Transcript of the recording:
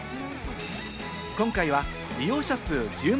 今回は利用者数１０万